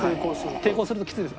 抵抗するときついです。